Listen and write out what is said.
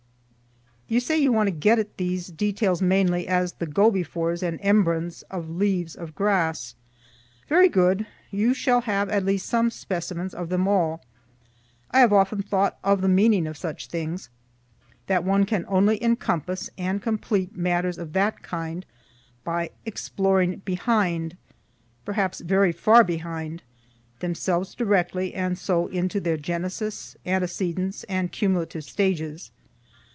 You say you want to get at these details mainly as the go befores and embryons of "Leaves of Grass." Very good; you shall have at least some specimens of them all. I have often thought of the meaning of such things that one can only encompass and complete matters of that kind by 'exploring behind, perhaps very far behind, themselves directly, and so into their genesis, antecedents, and cumulative stages.